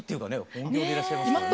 音響でいらっしゃいますけどね。